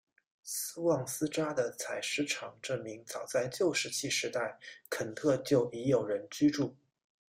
斯旺斯扎的采石场证明早在旧石器时代肯特就已有人居住。